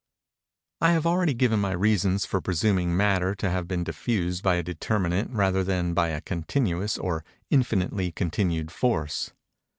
I have already given my reasons for presuming Matter to have been diffused by a determinate rather than by a continuous or infinitely continued force.